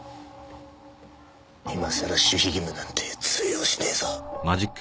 今さら守秘義務なんて通用しねえぞ。